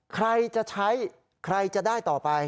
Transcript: ใครจะใช้ใครจะได้ต่อไป